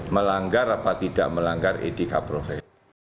melanggar apa tidak melanggar etika profesi